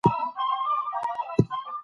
دوی له رښتيا اورېدو څخه وېره لري.